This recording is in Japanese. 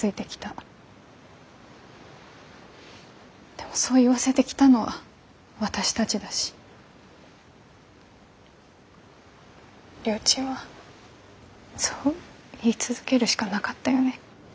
でもそう言わせてきたのは私たちだしりょーちんはそう言い続けるしかなかったよね。